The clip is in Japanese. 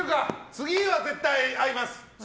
次は絶対合います。